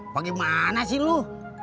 bagaimana sih lu